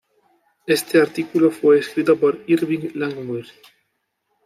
Este artículo fue escrito por Irving Langmuir.